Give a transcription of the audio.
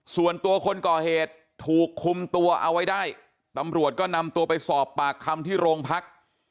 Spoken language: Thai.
ส่วนตัวคนก่อเหตุถูกคุมตัวเอาไว้ได้ตำรวจก็นำตัวไปสอบปากคำที่โรงพัก